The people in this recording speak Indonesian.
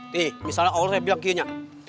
nih misalnya allah bilang kenya